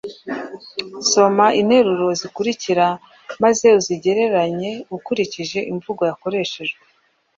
Soma interuro zikurikira maze uzigereranye ukurikije imvugo yakoreshejwe.